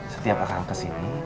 setiap aku akan kesini